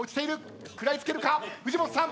食らいつけるか、藤本さん。